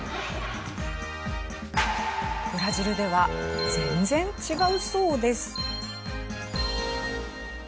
ブラジルでは全然違うそうです。